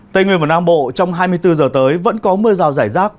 tây nguyên và nam bộ trong hai mươi bốn giờ tới vẫn có mưa rào rải rác